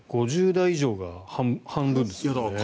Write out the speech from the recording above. ５０代以上が半分ですからね。